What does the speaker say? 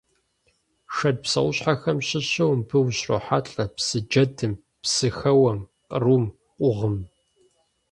Шэд псэущхьэхэм щыщу мыбы ущрохьэлӀэ псы джэдым, псыхэуэм, кърум, къугъым.